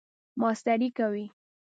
ماسټری کوئ؟